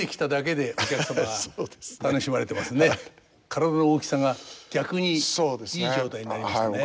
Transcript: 体の大きさが逆にいい状態になりましたね。